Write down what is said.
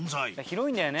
広いんだよね。